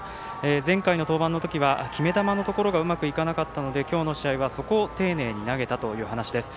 前回の登板の時は決め球のところがうまくいかなかったので今日の試合はそこを丁寧に投げたという話です。